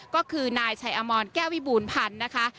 ก็คือนายชัยอมรแก้ววิบูรณพันธ์นะคะ